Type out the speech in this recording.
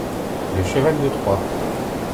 Le cheval de Troie.